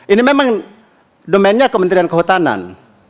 ini memang domennya kementerian kehutanan